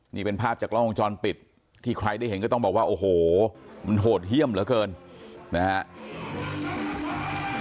นี่เป็นภาพจากกล้องวงจรปิดที่ใครได้เห็นก็ต้องบอกว่าโอ้โหมันโหดเยี่ยมเหลือเกินนะฮะ